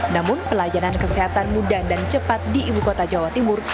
namun pelayanan kesehatan mudah dan cepat di ibu kota jawa timur